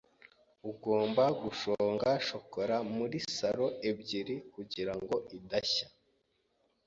Ugomba gushonga shokora muri salo ebyiri kugirango idashya.